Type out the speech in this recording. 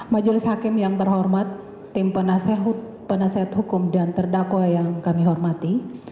majelis hakim yang terhormat tim penasehat hukum dan terdakwa yang kami hormati